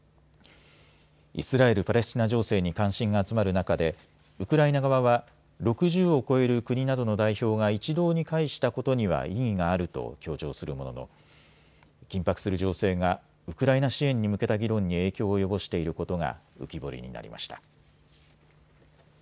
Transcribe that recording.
イスラエル・パレスチナ情勢に関心が集まる中でウクライナ側は６０を超える国などの代表が一堂に会したことには意義があると強調するものの緊迫する情勢がウクライナ支援に向けた議論に影響を及ぼしていることが浮き彫りになりました。